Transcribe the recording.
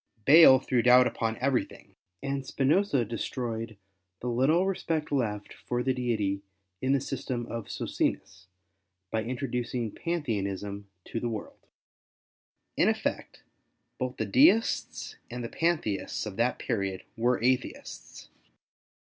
Bayle threw doubt upon everything, and Spinosa destroyed the little respect left for the Deity in the system of Socinus, by introducing Pantheism to the world. In effect, both the Deists and the Pantheists of that period were Atheists.